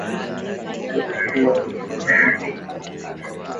kuwaweka maafisa wa kijeshi katika harakati za kumaliza ghasia